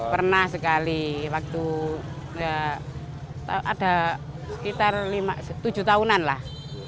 pernah sekali waktu ada sekitar tujuh tahunan lah